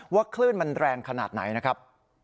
คลื่นมันแรงขนาดไหนนะครับ